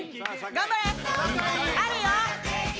頑張れあるよ